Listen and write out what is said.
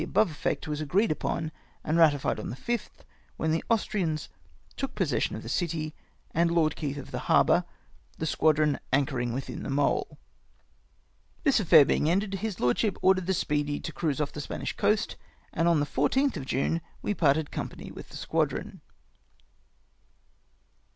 97 above effect was agreed upon, and ratified on tlie 5th, when tlie Aiistrians tooli possession of the city, and Lord Keith of tlie harboiu', the squadron anchoring witliin the mole. This affair bemg ended, liis lordship ordered the Speedy to cruise off the Spanish coast, and on the 14th of June we parted company with the squadi'on.